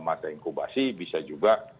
mata inkubasi bisa juga